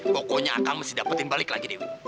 pokoknya akang mesti dapetin balik lagi dewi